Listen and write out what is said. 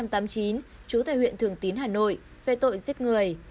trú tại huyện thường tín hà nội về tội giết người